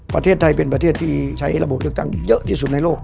ประเทศไทยเป็นประเทศที่ใช้ระบบเลือกตั้งเยอะที่สุดในโลก